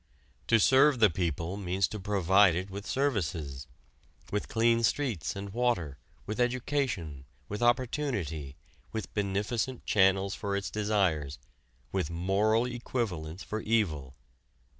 To serve the people means to provide it with services with clean streets and water, with education, with opportunity, with beneficent channels for its desires, with moral equivalents for evil.